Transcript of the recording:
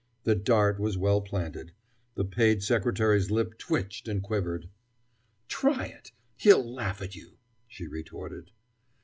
The dart was well planted. The paid secretary's lips twitched and quivered. "Try it! He'll laugh at you!" she retorted.